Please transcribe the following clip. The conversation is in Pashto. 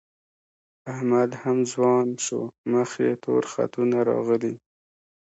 احمد هم ځوان شو، مخ یې تور خطونه راغلي